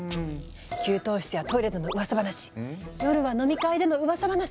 給湯室やトイレでのうわさ話夜は飲み会でのうわさ話。